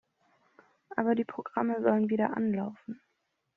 Aber die Programme sollen wieder anlaufen.